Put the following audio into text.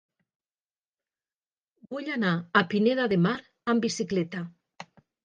Vull anar a Pineda de Mar amb bicicleta.